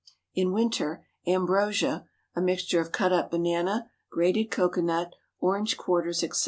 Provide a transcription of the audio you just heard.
In winter, ambrosia a mixture of cut up banana, grated cocoa nut, orange quarters, etc.